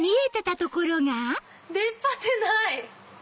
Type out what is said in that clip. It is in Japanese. えっ⁉出っ張ってない！